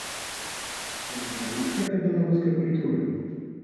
Ці на карысць гэта беларускай культуры?